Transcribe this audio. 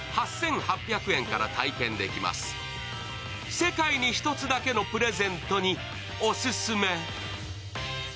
世界に１つだけのプレゼントにオススメ。